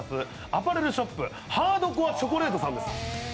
アパレルショップ、ハードコアチョコレートさんです。